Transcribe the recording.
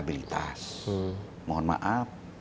tetap harus yakin